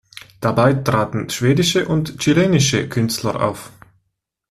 Dabei traten schwedische und chilenische Künstler auf.